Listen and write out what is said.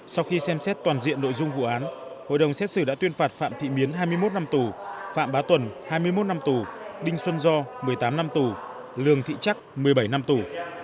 sau khi xem xét toàn diện nội dung vụ án hội đồng xét xử đã tuyên phạt phạm thị miến hai mươi một năm tù phạm bá tuần hai mươi một năm tù đinh xuân do một mươi tám năm tù lường thị trắc một mươi bảy năm tù